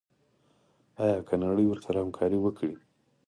آیا که نړۍ ورسره همکاري وکړي؟